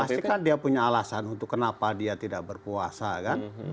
pasti kan dia punya alasan untuk kenapa dia tidak berpuasa kan